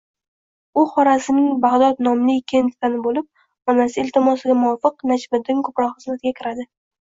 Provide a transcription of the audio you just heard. U Xorazmning Bagʻdod nomli kentidan boʻlib, onasi iltimosiga muvofiq Najmiddin Kubro xizmatiga kiradi